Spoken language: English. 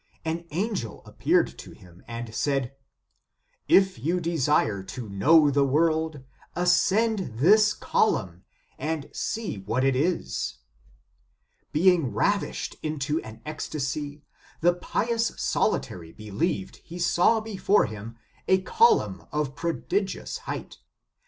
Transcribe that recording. An angel appeared to him and said :" If you desire to know the world, ascend this column, and see what it is." Being ravished into an ecstasy, the pious solitary believed he saw before him a column of prodigious height.